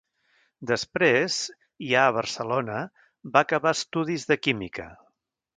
Després, ja a Barcelona, va acabar estudis de química.